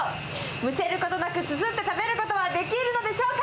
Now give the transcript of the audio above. むせることなくすすって食べることはできるのでしょうか。